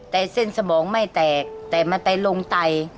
แต่เส้นสมองไม่แตกแต่มันไปลงไต